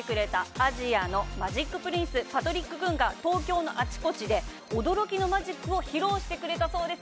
アジアのマジックプリンスパトリック・クンが東京のあちこちで驚きのマジックを披露してくれたそうです。